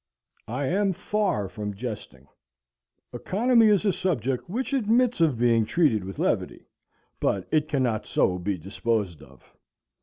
I am far from jesting. Economy is a subject which admits of being treated with levity, but it cannot so be disposed of.